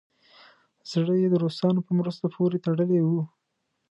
زړه یې د روسانو په مرستو پورې تړلی وو.